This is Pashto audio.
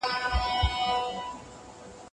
پيغله په نکاح مه ورکوئ، تر څو چي اجازه ئې نه وي کړې.